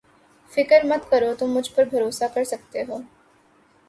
فکر مت کرو تم مجھ پر بھروسہ کر سکتے ہو